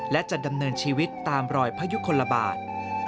และจะดำเนินชีวิตตามรอยพยุคลบาท